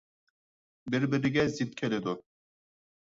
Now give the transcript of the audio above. بىر - بىرىگە زىت كېلىدۇ.